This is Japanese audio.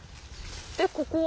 でここは？